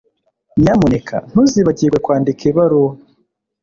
Nyamuneka ntuzibagirwe kwandika ibaruwa